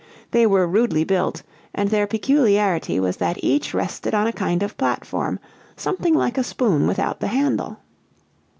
They were rudely built, and their peculiarity was that each rested on a kind of platform, something like a spoon without the handle.